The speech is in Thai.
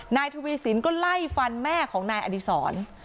นายทวีสินก็ไล่ฟันแม่ของนายอดีศร